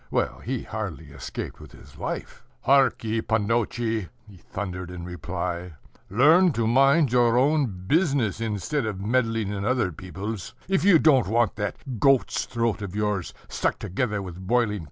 Well, he hardly escaped with his life. "Hark ye, pannotche!" [Footnote: Sir] he thundered in reply, "learn to mind your own business instead of meddling in other people's, if you don't want that goat's throat of yours stuck together with boiling kutya."